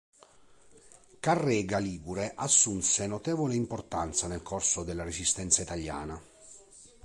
Carrega Ligure assunse notevole importanza nel corso della Resistenza italiana.